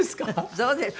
そうですよ。